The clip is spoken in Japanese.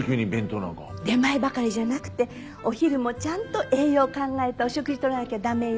出前ばかりじゃなくてお昼もちゃんと栄養を考えたお食事とらなきゃ駄目よ。